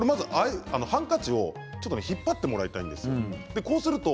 ハンカチを引っ張ってもらいたいんです。